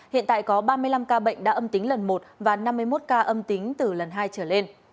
hiện tại có ba mươi năm ca bệnh đã âm tính lần một và năm mươi một ca âm tính từ lần hai trở lên